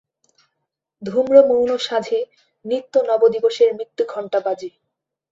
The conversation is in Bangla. ধূম্রমৌন সাঁঝে নিত্য নব দিবসের মৃত্যুঘণ্টা বাজে।